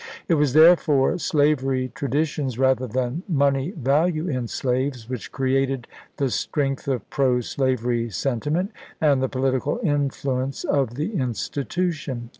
It was therefore slavery traditions rather than money value in slaves which created the strength of pro slavery sentiment and the political influence of the institution.